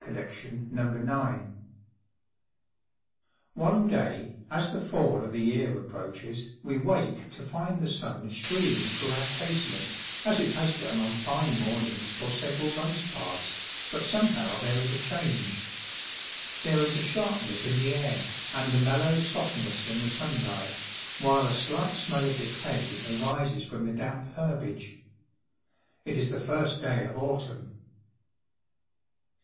XVI II THE COMING OF AUTUMN One day, as the fall of the year approaches, we wake to find the sun streaming through our casement, as it has done on fine morn ings for several months past, but somehow there is a change. There is a sharpness in the air and a mellow softness in the sun light, while a slight smell of decay arises from the damp herbage. It is the first day of autumn.